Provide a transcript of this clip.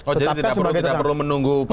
oh jadi tidak perlu menunggu persidangan ini